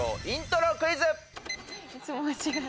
いつも間違える。